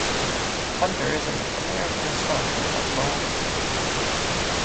Hunter is an American astronomer at Lowell Observatory.